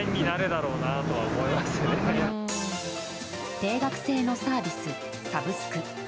定額制のサービス、サブスク。